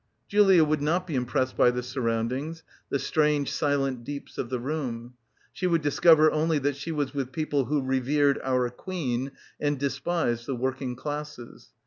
Julia would not be impressed by the surroundings, the strange silent deeps of the room. She would discover only that she was with people who revered "our Queen" and despised "the working classes."